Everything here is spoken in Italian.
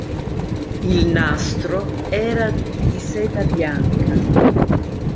Il nastro era di seta bianca.